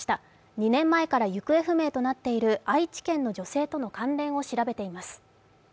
２年前から行方不明となっている愛知県の女性との関連を調べています。